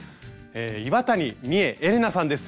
岩谷みえエレナさんです。